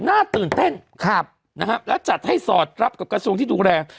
น่าตื่นเต้นครับนะฮะแล้วจัดให้สอดรับกับกระทรวงที่ดูแล